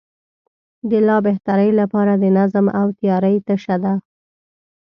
د لا بهترۍ لپاره د نظم او تیارۍ تشه وه.